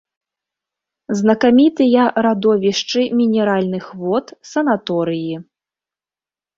Знакамітыя радовішчы мінеральных вод, санаторыі.